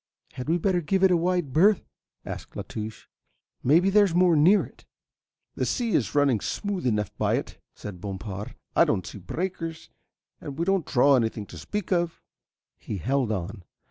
"Had we better give it a wide berth?" asked La Touche. "Maybe there's more near it." "The sea is running smooth enough by it," said Bompard. "I don't see breakers, and we don't draw anything to speak of." He held on.